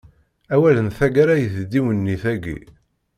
Awal n taggara i tdiwennit-agi.